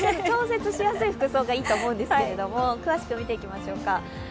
調節しやすい服装がいいと思うんですけども詳しく見ていきましょうか。